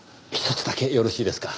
１つだけよろしいですか？